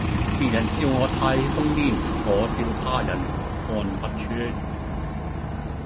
別人笑我太瘋癲，我笑他人看不穿